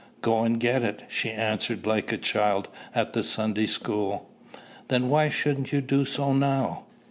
"Go and get it," she answered like a child at the Sunday school. "Then why shouldn't you do so now?